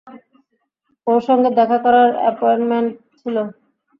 ওর সঙ্গে দেখা করার অ্যাপয়েন্টমেন্ট ছিল।